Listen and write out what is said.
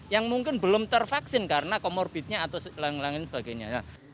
yang mungkin belum tervaksin karena comorbidnya atau sebagainya